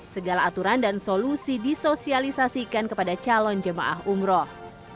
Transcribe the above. segala aturan dan solusi disosialisasikan kepada calon jemaah umroh